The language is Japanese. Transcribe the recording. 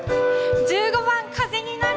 １５番「風になる」。